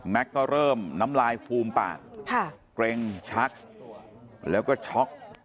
แม็กซ์ก็เริ่มน้ำลายฟูมปากฮ่ากรงชัดแล้วก็ช็อค